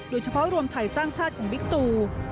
โดยเฉพาะรวมไทยสร้างชาติของวิกตู